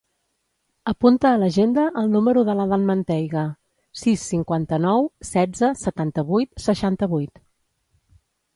Apunta a l'agenda el número de l'Adán Manteiga: sis, cinquanta-nou, setze, setanta-vuit, seixanta-vuit.